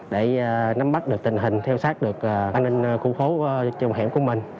để nắm bắt được tình hình theo sát được an ninh khu phố trùng hẻm của mình